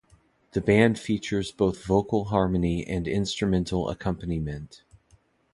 The band features both vocal harmony and instrumental accompaniment.